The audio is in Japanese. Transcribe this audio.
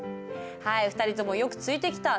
はい２人ともよくついてきた。